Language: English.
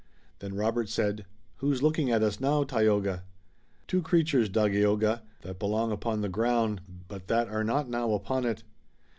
Then Robert said: "Who's looking at us now, Tayoga?" "Two creatures, Dagaeoga, that belong upon the ground, but that are not now upon it."